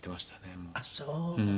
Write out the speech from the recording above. ああそう。